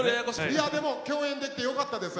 いやでも共演できてよかったです。